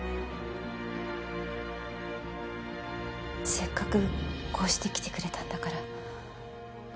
せっかくこうして来てくれたんだから。